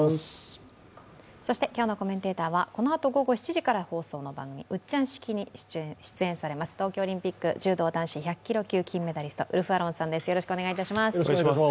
今日のコメンテーターは、このあと午後７時から放送の番組、「ウッチャン式」に出演されます東京オリンピック柔道男子１００ｋｇ級金メダリストウルフ・アロンさんです。